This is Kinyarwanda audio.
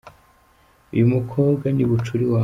Uyu mukobwa ni bucura iwabo.